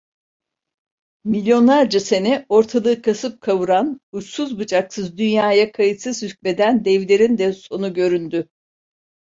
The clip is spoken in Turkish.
Milyonlarca sene ortalığı kasıp kavuran, uçsuz bucaksız dünyaya kayıtsız hükmeden devlerin de sonu göründü.